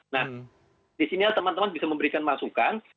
nah disini teman teman bisa memberikan masukan